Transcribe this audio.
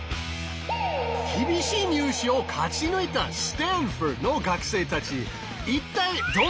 厳しい入試を勝ち抜いたスタンフォードの学生たち。